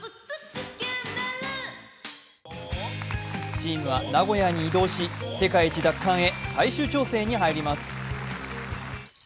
チームは名古屋に移動し、世界一奪還へ最終調整に入ります。